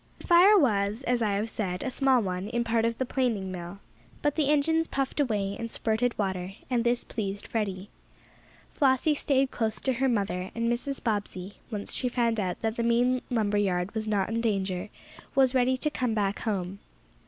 The fire was, as I have said, a small one, in part of the planing mill. But the engines puffed away, and spurted water, and this pleased Freddie. Flossie stayed close to her mother, and Mrs. Bobbsey, once she found out that the main lumber yard was not in danger, was ready to come back home.